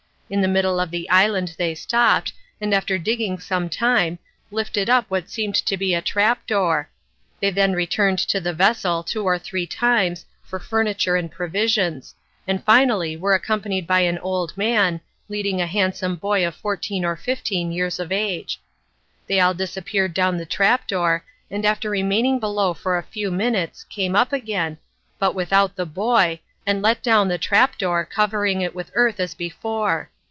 In the middle of the island they stopped, and after digging some time, lifted up what seemed to be a trapdoor. They then returned to the vessel two or three times for furniture and provisions, and finally were accompanied by an old man, leading a handsome boy of fourteen or fifteen years of age. They all disappeared down the trapdoor, and after remaining below for a few minutes came up again, but without the boy, and let down the trapdoor, covering it with earth as before.